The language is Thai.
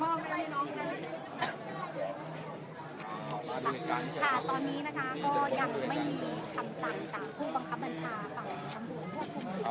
มีผู้ที่ได้รับบาดเจ็บและถูกนำตัวส่งโรงพยาบาลเป็นผู้หญิงวัยกลางคน